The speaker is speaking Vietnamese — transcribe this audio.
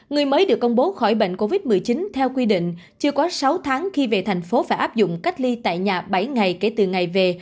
người mới được công bố khỏi bệnh covid một mươi chín theo quy định chưa có sáu tháng khi về thành phố phải áp dụng cách ly tại nhà bảy ngày kể từ ngày về